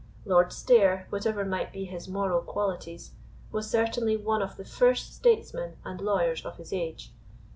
Lord Stair, whatever might be his moral qualities, was certainly one of the first statesmen and lawyers of his age.